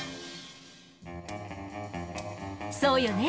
そうよね